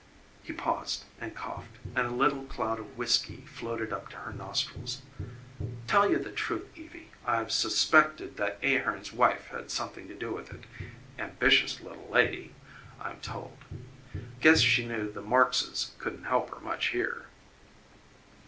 He paused and coughed and a little cloud of whiskey floated up to her nostrils. "Tell you the truth, Evie, I've suspected that Ahearn's wife had something to do with it. Ambitious little lady, I'm told. Guess she knew the Marxes couldn't help her much here."